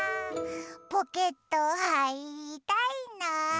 ポケットはいりたいな。